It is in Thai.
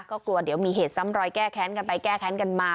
ก็กลัวเดี๋ยวมีเหตุซ้ำรอยแก้แค้นกันไปแก้แค้นกันมา